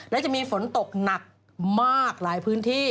และจะมีฝนตกหนักมากหลายพื้นที่